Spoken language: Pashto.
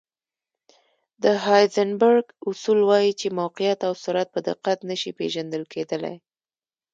د هایزنبرګ اصول وایي چې موقعیت او سرعت په دقت نه شي پېژندل کېدلی.